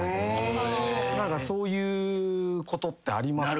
そういうことってありますか？